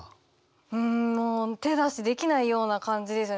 うんもう手出しできないような感じですよね。